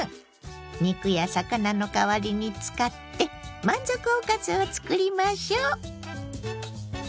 肉や魚の代わりに使って満足おかずをつくりましょ。